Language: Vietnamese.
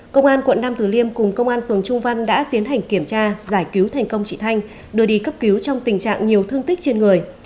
công an quận nam tử liêm cùng công an phường trung văn đã tiến hành kiểm tra giải cứu thành công chị thanh đưa đi cấp cứu trong tình trạng nhiều thương tích trên người